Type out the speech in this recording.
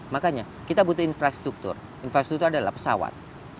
makanya kita butuh infrastruktur infrastruktur adalah pesawat